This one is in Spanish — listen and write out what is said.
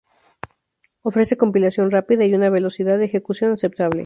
Ofrece compilación rápida y una velocidad de ejecución aceptable.